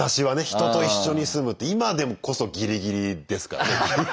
人と一緒に住むって今でこそギリギリですからね。